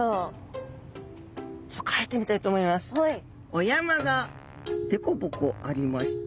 お山がでこぼこありまして。